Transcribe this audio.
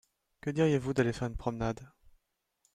Que diriez-vous d'aller faire une promenade ?